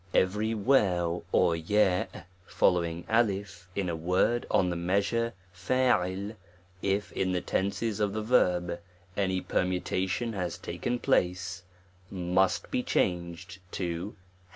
EVERY j or tf following 1^ in a word on the * measure Jutti, if in the tenses of the verb any per mutation has taken place, must be changed to #.